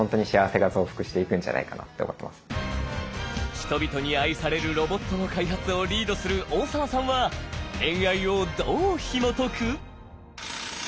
人々に愛されるロボットの開発をリードする大澤さんは恋愛をどうひもとく？